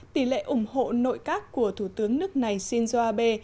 tỷ lệ ủng hộ nội các của thủ tướng nước này shinzo abe